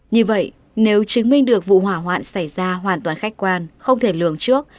như vậy nếu chứng minh được vụ hỏa hoạn xảy ra hoàn toàn khách quan không thể lường trước